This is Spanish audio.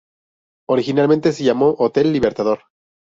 Originalmente se llamó Hotel Libertador.